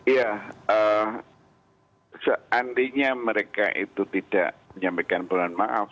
ya seandainya mereka itu tidak menyampaikan permohonan maaf